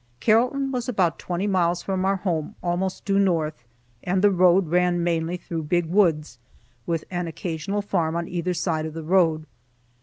Carrollton was about twenty miles from our home, almost due north, and the road ran mainly through big woods, with an occasional farm on either side of the road.